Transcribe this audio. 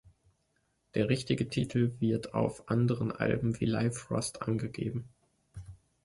Der richtige Titel wird auf anderen Alben wie Live Rust angegeben.